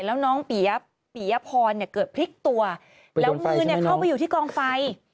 แล้วน้องปียพรเกิดพลิกตัวแล้วมือเข้าไปอยู่ที่กองไฟ